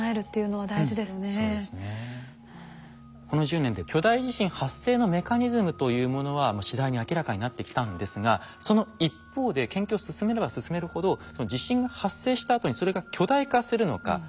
この１０年で巨大地震発生のメカニズムというものは次第に明らかになってきたんですがその一方で研究を進めれば進めるほど地震が発生したあとにそれが巨大化するのか